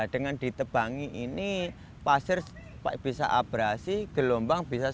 dengan ditebangi ini pasir bisa abrasi gelombang bisa